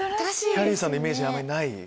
ゃりーさんのイメージにあんまりない。